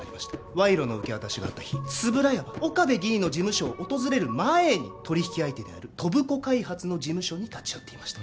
賄賂の受け渡しがあった日円谷は岡部議員の事務所を訪れる前に取り引き相手である戸部子開発の事務所に立ち寄っていました